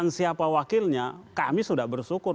dan memutuskan siapa wakilnya kami sudah bersyukur